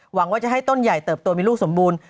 หวังว่าจะให้ต้นใหญ่เติบโตมีลูกสมบูรณ์